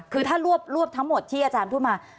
คือถ้ารวบทั้งหมดที่อาจารย์พูดมา